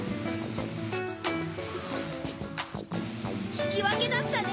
ひきわけだったね。